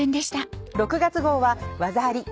６月号は「ワザあり！